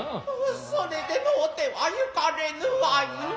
それでのうては行かれぬわいな。